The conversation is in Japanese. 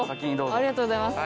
ありがとうございます。